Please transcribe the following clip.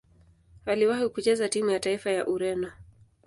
Aliwahi kucheza timu ya taifa ya Ureno.